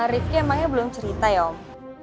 rifki emangnya belum cerita ya om